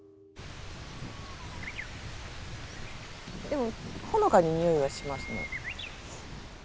でもほのかににおいはしますね。